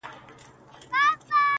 ټیک راسره وژړل پېزوان راسره وژړل٫